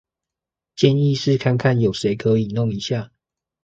建議是看看有誰可以弄一下